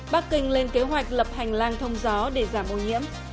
bắc kinh lên kế hoạch lập hành lang thông dựng